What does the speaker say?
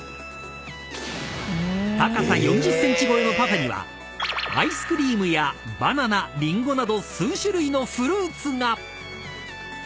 ［高さ４０ｃｍ超えのパフェにはアイスクリームやバナナリンゴなど数種類のフルーツが］